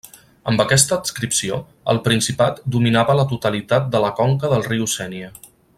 Amb aquesta adscripció, el Principat dominava la totalitat de la conca del riu Sénia.